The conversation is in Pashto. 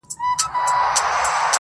بې منزله مساپره خیر دي نسته په بېړۍ کي،